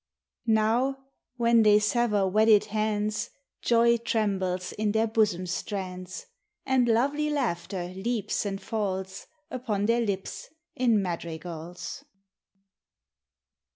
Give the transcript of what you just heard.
Now when thev sever wedded hands, Joy trembles in their bosom strands, And lovely laughter leaps and falls Upon their lips in madrigals.